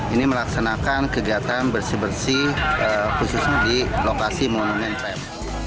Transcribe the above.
ini melaksanakan kegiatan bersih bersih khususnya di lokasi monumen trap